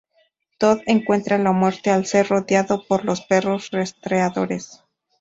Tod encuentra la muerte al ser rodeado por los perros rastreadores.